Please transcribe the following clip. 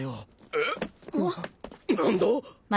・えっ何だ！？